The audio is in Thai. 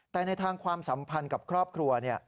แต่ในทางความสัมพันธ์กับครอบครัว